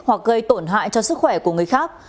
hoặc gây tổn hại cho sức khỏe của người khác